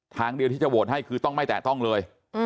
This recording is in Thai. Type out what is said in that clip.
ทางเดียวที่จะโหวตให้คือต้องไม่แตะต้องเลย